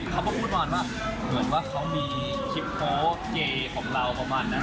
เขาก็พูดประมาณว่าเหมือนว่าเขามีคลิปโพสต์เจของเราประมาณนั้น